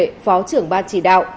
phó trưởng ban chỉ đạo